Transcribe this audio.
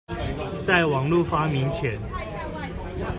在網路發明前